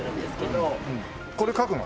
これ書くの？